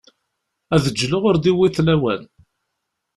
Ad ğğleɣ ur d-yewwiḍ lawan.